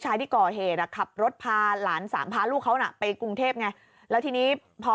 ชายที่ก่อเหตุอ่ะขับรถพาหลานสามพาลูกเขาน่ะไปกรุงเทพไงแล้วทีนี้พอ